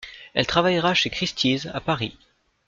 Elle travaillera chez Christie's à Paris.